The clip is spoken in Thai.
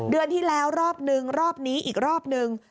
เดือนที่แล้วรอบนึงรอบนี้อีกรอบนึง